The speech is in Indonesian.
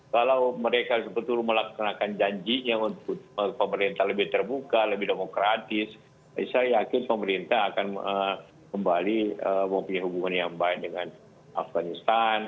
kalau mereka sebetulnya melaksanakan janjinya untuk pemerintah lebih terbuka lebih demokratis saya yakin pemerintah akan kembali mempunyai hubungan yang baik dengan afganistan